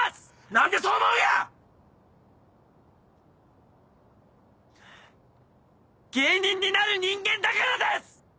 何でそう思うんや⁉芸人になる人間だからです！